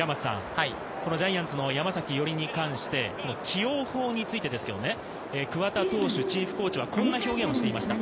ジャイアンツの山崎伊織に関して起用法についてですけど、桑田投手チーフコーチはこんな表現をしていました。